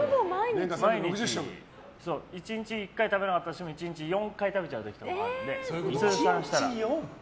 １日１回食べなかったとしても１日に４回食べちゃう時もあるので通算したら。